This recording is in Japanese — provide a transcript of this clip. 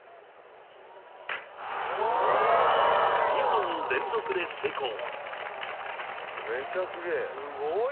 ［２本連続で成功］